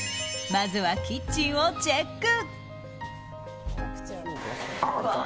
まずはキッチンをチェック。